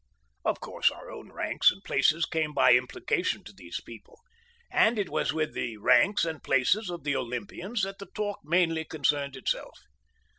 Of course their own ranks and places came by implication to these people, and it was with the ranks and places of the Olympians that the talk mainly concerned itself.